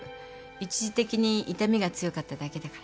一時的に痛みが強かっただけだから。